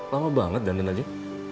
lama banget dandan aja